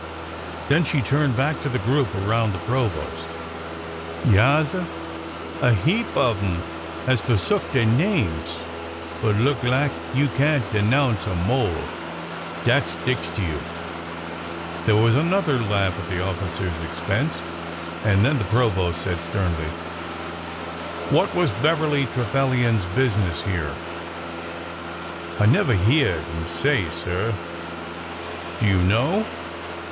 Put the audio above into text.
Then she turned back to the group around the provost. Yaassir ! A heap of 'em has forsook dey names, but look lak you can't denounce a mole 1 Dat sticks to you 1 " There was another laugh at the officer's expense, and then the provost said sternly :'' What was Beverly Trevilian's business here?" I never hyeahed 'im say, sir." '' Do you know